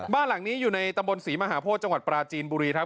บ้านหลังนี้อยู่ในตำบลศรีมหาโพธิจังหวัดปราจีนบุรีครับ